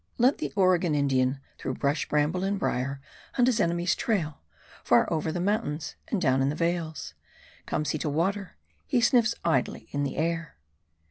Let the Oregon Indian through brush, bramble, and brier, hunt his enemy's trail, far over the mountains and down in the vales; comes he to the water, he snuffs idly in air.